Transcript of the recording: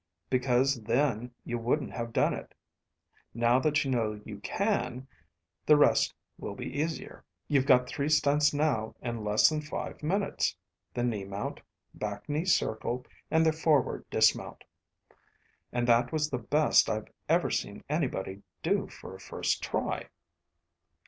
"Because then you wouldn't have done it. Now that you know you can, the rest will be easier. You've got three stunts now in less than five minutes. The knee mount, back knee circle, and the forward dismount. And that was the best I've ever seen anybody do for a first try."